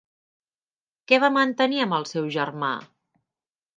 Què va mantenir amb el seu germà?